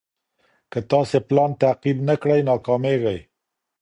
که تاسي پلان تعقيب نه کړئ، ناکامېږئ.